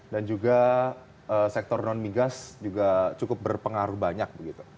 dan juga sektor non migas juga cukup berpengaruh banyak